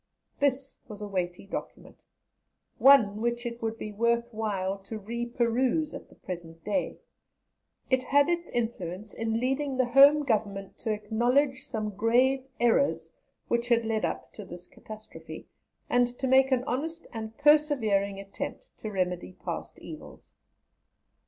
This was a weighty document, one which it would be worth while to re peruse at the present day; it had its influence in leading the Home Government to acknowledge some grave errors which had led up to this catastrophe, and to make an honest and persevering attempt to remedy past evils.